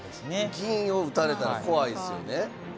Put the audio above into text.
銀を打たれたら怖いですよね。